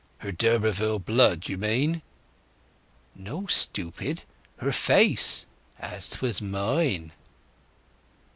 Her d'Urberville blood, you mean?" "No, stupid; her face—as 'twas mine."